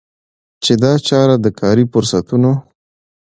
چي دا چاره د کاري فرصتونو